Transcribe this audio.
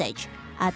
atau mengutip tanda